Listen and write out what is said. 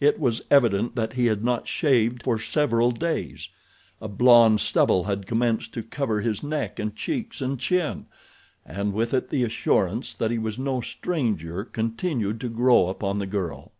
It was evident that he had not shaved for several days. A blonde stubble had commenced to cover his neck and cheeks and chin, and with it the assurance that he was no stranger continued to grow upon the girl.